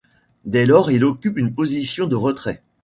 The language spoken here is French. Dès lors il occupe une position de retrait.